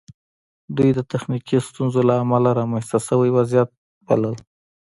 دوی د تخنیکي ستونزو له امله رامنځته شوی وضعیت بلل